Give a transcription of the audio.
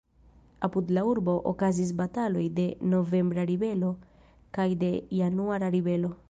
Apud la urbo okazis bataloj de novembra ribelo kaj de januara ribelo.